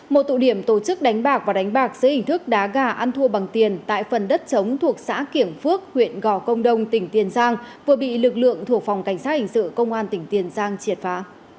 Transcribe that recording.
một tụ điểm tổ chức đánh bạc và đánh bạc dưới hình thức đá gà ăn thua bằng tiền tại phần đất chống thuộc xã kiểng phước huyện gò công đông tỉnh tiền giang vừa bị lực lượng thuộc phòng cảnh sát hình sự công an tỉnh tiền giang triệt phá